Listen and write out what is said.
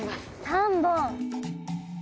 ３本！